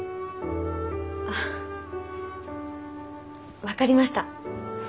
あ分かりました。